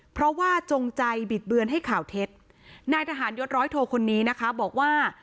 เพราะว่าจงใจบิดเบือนให้ข่าวเท็จนายทหารยศร้อยโทคนนี้นะคะบอกว่า